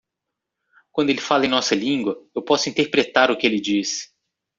Quando ele fala em nossa língua, eu posso interpretar o que ele disse.